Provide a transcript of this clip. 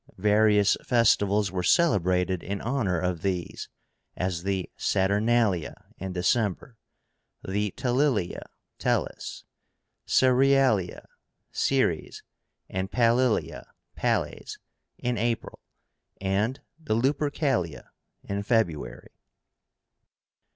Various festivals were celebrated in honor of these, as the Saturnalia, in December; the Tellilia (Tellus), Cerialia (Ceres), and Palilia (Pales), in April; and the Lupercalia, in February.